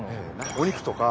お肉とか。